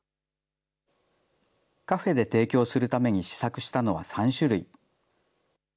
カフェで提供するために試作したのは３種類。